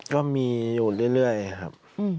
ก็มีอยู่เรื่อยครับ